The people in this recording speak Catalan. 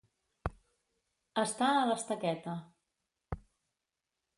Estar a l'estaqueta.